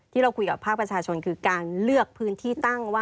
ที่เราคุยกับภาคประชาชนคือการเลือกพื้นที่ตั้งว่า